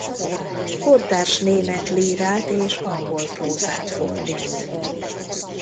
Kortárs német lírát és angol prózát fordít.